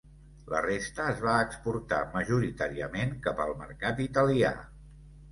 La resta es va exportar majoritàriament cap al mercat italià.